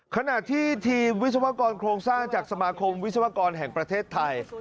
ขณะที่ทีมวิศวกรโครงสร้างจากสมาคมวิศวกรแห่งประเทศไทย